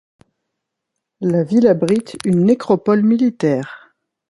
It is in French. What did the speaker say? La ville abrite une nécropole militaire.